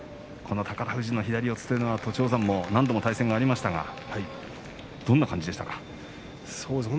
この宝富士の左四つも栃煌山も何度も対戦がありましたが、どんな感じでしたか？